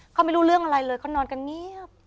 เขาไม่รู้เรื่องอะไรเลยเขานอนกันเงียบ